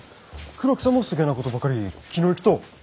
黒木さんもそげなことばかり気のいくと！